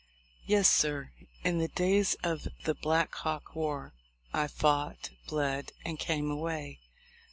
Yes, sir, in the days of the Black Hawk war, I fought, bled, and came away.